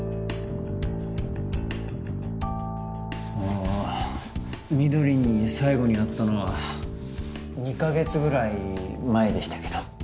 あ翠に最後に会ったのは２か月ぐらい前でしたけど。